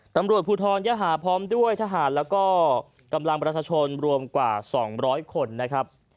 ตำรวจภูทรยหาพร้อมด้วยทหารแล้วก็กำลังประชาชนรวมกว่า๒๐๐คนนะครับ